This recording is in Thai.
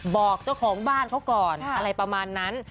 บอกเจ้าของบ้านเขาก่อนอะไรประมาณนั้น